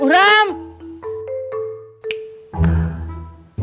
po kathy ada di sana